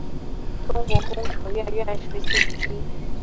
中国工程院院士信息